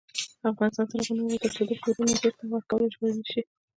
افغانستان تر هغو نه ابادیږي، ترڅو د پورونو بیرته ورکول اجباري نشي.